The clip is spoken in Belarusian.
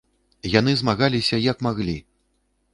Яны змагаліся як маглі!